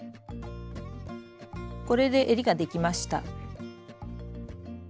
これでえりができました。